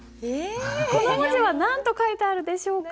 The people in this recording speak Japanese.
この文字は何と書いてあるでしょうか？